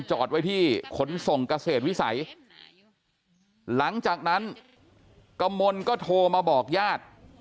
จอดไว้ที่ขนส่งเกษตรวิสัยหลังจากนั้นกมลก็โทรมาบอกญาติ